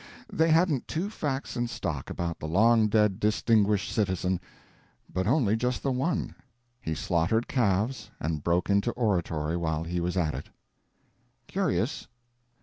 They hadn't two facts in stock about the long dead distinguished citizen, but only just the one: he slaughtered calves and broke into oratory while he was at it. Curious.